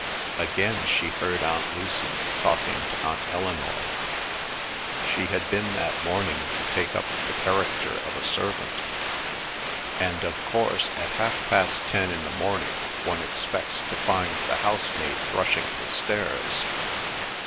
Again she heard Aunt Lucy talking to Aunt Eleanor. She had been that morning to take up the character of a servant, "And, of course, at half past ten in the morning one expects to find the housemaid brushing the stairs."